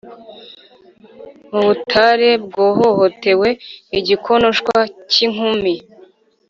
mubutare bwahohotewe igikonoshwa cyinkumi,